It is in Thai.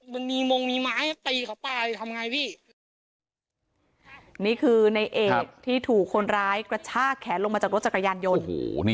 มันมีมงมีไม้ตีเขาตายทำไงพี่นี่คือในเอกที่ถูกคนร้ายกระชากแขนลงมาจากรถจักรยานยนต์